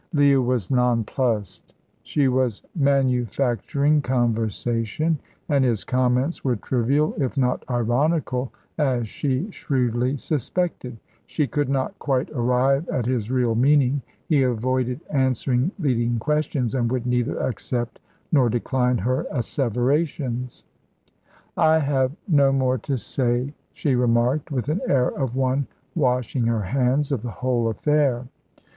Leah was nonplussed. She was manufacturing conversation, and his comments were trivial, if not ironical, as she shrewdly suspected. She could not quite arrive at his real meaning. He avoided answering leading questions, and would neither accept not decline her asseverations. "I have no more to say," she remarked, with an air of one washing her hands of the whole affair.